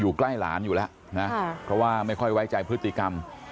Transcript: ใกล้หลานอยู่แล้วนะเพราะว่าไม่ค่อยไว้ใจพฤติกรรม